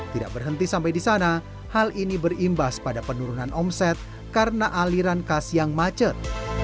tidak berhenti sampai di sana hal ini berimbas pada penurunan omset karena aliran kas yang macet